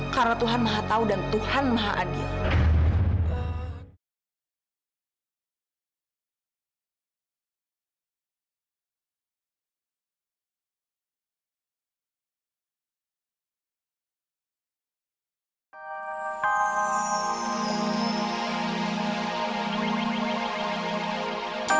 karena tuhan maha tau dan tuhan maha adil